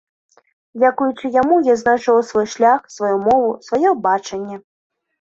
Дзякуючы яму я знайшоў свой шлях, сваю мову, сваё бачанне.